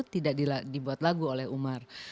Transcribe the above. tidak dibuat lagu oleh umar